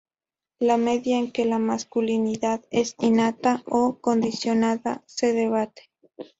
La medida en que la masculinidad es innata o condicionada se debate.